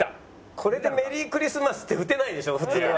これで「メリークリスマス」って打てないでしょ普通は。